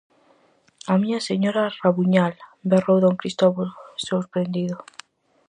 -A miña señora Rabuñal! -berrou don Cristovo, sorprendido-.